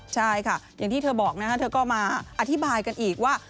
ใช่ค่ะอย่างที่เธอบอกนะคะเธอก็มาอธิบายกันอีกว่า